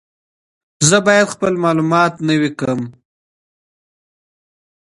زه باید خپل معلومات نوي کړم.